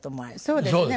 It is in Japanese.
そうですね。